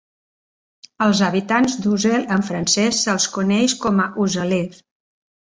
Als habitants d'Uzel, en francès, se'ls coneix com a "uzelais".